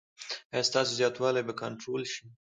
ایا ستاسو زیاتوالی به کنټرول شي؟